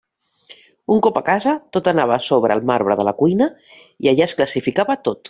Un cop a casa, tot anava a sobre el marbre de la cuina, i allà es classificava tot.